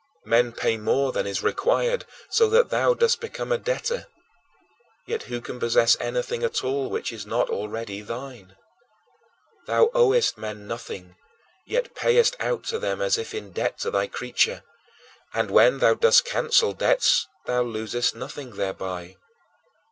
Men pay more than is required so that thou dost become a debtor; yet who can possess anything at all which is not already thine? Thou owest men nothing, yet payest out to them as if in debt to thy creature, and when thou dost cancel debts thou losest nothing thereby.